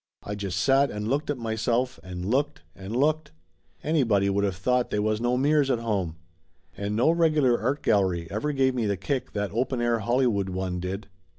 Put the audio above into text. I just sat and looked at myself and looked and looked. Anybody would of thought they was no mirrors at home. And no regular art gallery ever gave me the kick that open air Hollywood one did.